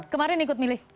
kemarin ikut milih